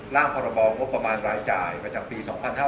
ร่างพระบอบงบประมาณรายจ่ายมาจากปี๒๕๖๓